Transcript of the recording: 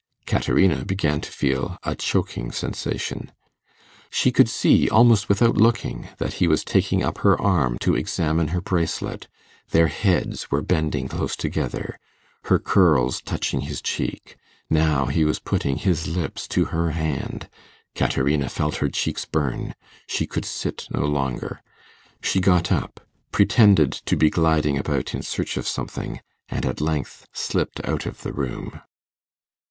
Caterina began to feel a choking sensation. She could see, almost without looking, that he was taking up her arm to examine her bracelet; their heads were bending close together, her curls touching his cheek now he was putting his lips to her hand. Caterina felt her cheeks burn she could sit no longer. She got up, pretended to be gliding about in search of something, and at length slipped out of the room.